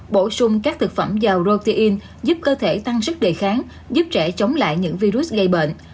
bổ sung các thực phẩm dầu protein giúp cơ thể tăng sức đề kháng giúp trẻ chống lại những virus gây bệnh